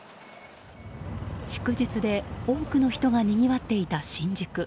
祝日で多くの人がにぎわっていた新宿。